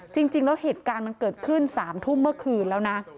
จริงแล้วเหตุการณ์มันเกิดขึ้น๓ทุ่มเมื่อคืนแล้วนะ